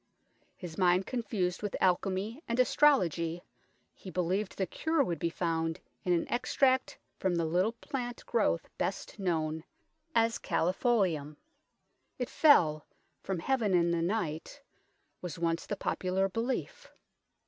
His mind con fused with alchemy and astrology, he believed the cure would be found in an extract from the little plant growth best known as Ccelifolium. It fell from heaven in the night was once the popular belief.